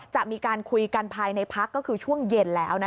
จะมีการคุยกันภายในพักก็คือช่วงเย็นแล้ว